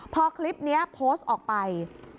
พอคลิปนี้โพสต์ออกไป